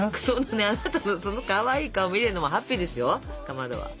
あなたのそのかわいい顔見るのもハッピーですよかまどは。